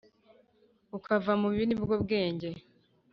Ukava mu bibi ni bwo bwenge